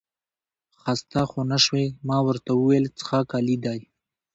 خسته خو نه شوې؟ ما ورته وویل څښاک عالي دی.